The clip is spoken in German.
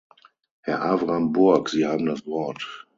Herr Avram Burg, Sie haben das Wort.